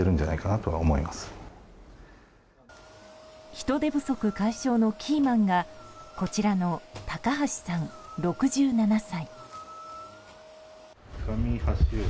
人手不足解消のキーマンがこちらの高橋さん、６７歳。